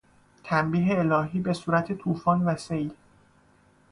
تنبیه الهی به صورت توفان و سیل